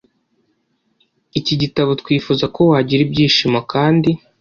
iki gitabo Twifuza ko wagira ibyishimo kandi